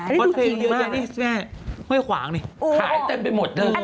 นี่ดูทีละนี่สิแม่ไม่ขวางนี่หายเต็มไปหมดนึงอุ๊ยอ๋อ